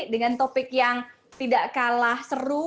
dengan topik yang tidak kalah seru